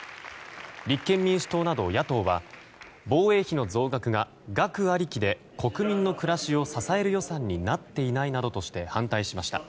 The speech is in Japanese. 立憲民主党など野党は防衛費の増額が額ありきで国民の暮らしを支える予算になっていないなどとして反対しました。